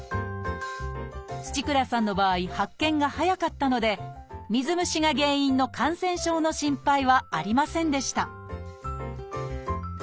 土倉さんの場合発見が早かったので水虫が原因の感染症の心配はありませんでした